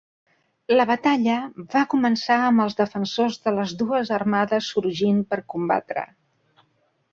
La batalla va començar amb els defensors de les dues armades sorgint per combatre.